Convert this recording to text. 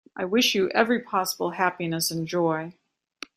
I wish you every possible happiness and joy.